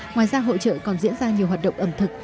ngoài ra hỗ trợ còn diễn ra nhiều hoạt động ẩm thực